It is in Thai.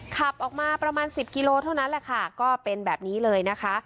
ขับออกมาประมาณ๑๐กิโลเท่านั้นแหละค่ะก็เป็นแบบนี้เลยนะคะ